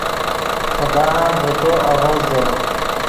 خدان ڤے تو آڤزدو